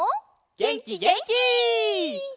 げんきげんき！